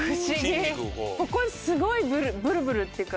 ここにすごいブルブルっていうか